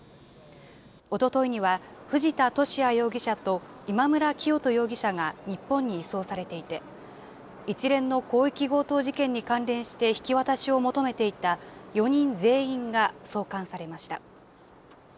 おとといには、藤田聖也容疑者と今村磨人容疑者が日本に移送されていて、一連の広域強盗事件に関連して引き渡しを求めていた４人全員が送還されました。